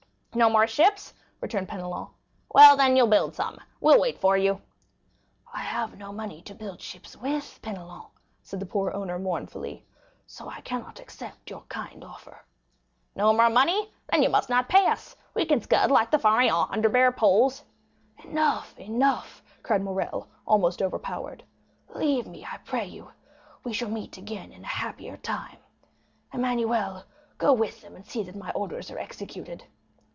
"No more ships!" returned Penelon; "well, then, you'll build some; we'll wait for you." "I have no money to build ships with, Penelon," said the poor owner mournfully, "so I cannot accept your kind offer." "No more money? Then you must not pay us; we can scud, like the Pharaon, under bare poles." "Enough, enough!" cried Morrel, almost overpowered; "leave me, I pray you; we shall meet again in a happier time. Emmanuel, go with them, and see that my orders are executed."